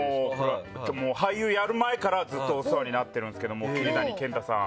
俳優やる前からずっとお世話になってる桐谷健太さん。